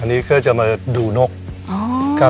อันนี้ก็จะมาดูนกครับ